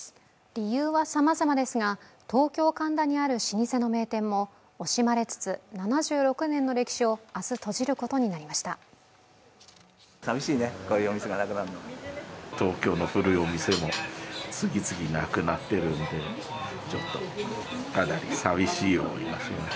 理由はさまざまですが、東京・神田にある老舗の名店も惜しまれつつ７６年の歴史を明日閉じることになりました。